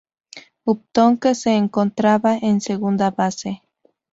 Upton que se encontraba en segunda base.